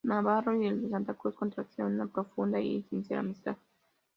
Navarro y el de Santa Cruz contrajeron una profunda y sincera amistad.